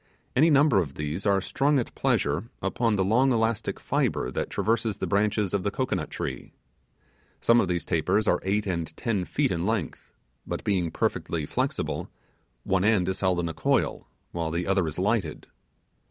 Any number of these are strung at pleasure upon the long elastic fibre that traverses the branches of the cocoanut tree. Some of these tapers are eight or ten feet in length; but being perfectly flexible, one end is held in a coil, while the other is lighted.